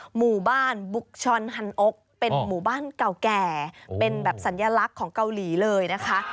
หมู่บ้านบุ๊กชอนฮันอกเป็นหมู่บ้านเก่าแก่เป็นแบบสัญลักษณ์ของเกาหลีเลยนะคะ